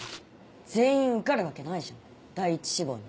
全員受かるわけないじゃん第一志望に。